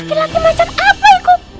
laki laki macam apa itu